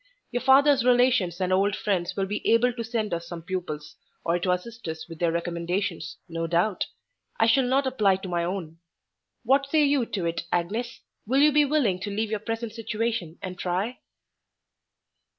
Your father's relations and old friends will be able to send us some pupils, or to assist us with their recommendations, no doubt: I shall not apply to my own. What say you to it, Agnes? will you be willing to leave your present situation and try?"